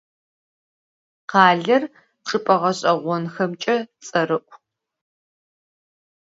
Khaler çç'ıp'e ğeş'eğonxemç'e ts'erı'u.